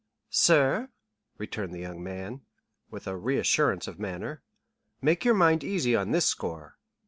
"Sir," returned the young man, with a reassurance of manner, "make your mind easy on this score.